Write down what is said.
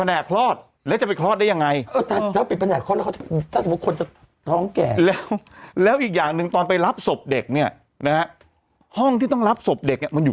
นัลทิพย์เชื่อสึกเพราะว่านัลทิพย์เชื่อสึก